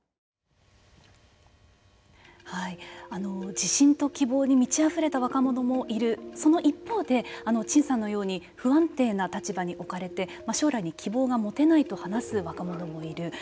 自信と希望に満ちあふれた若者もいるその一方で陳さんのように不安定な立場におかれて将来に希望が持てないと話す若者もいる。